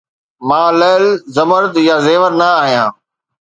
مان لعل، زمرد يا زيور نه آهيان